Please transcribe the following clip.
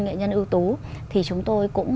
nghệ nhân ưu tú thì chúng tôi cũng